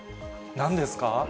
なんですか？